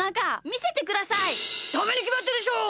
ダメにきまってるでしょ！